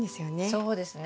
そうですね。